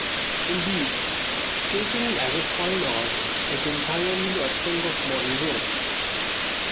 Indeed, skating as a fine art is entirely a thing of modern growth.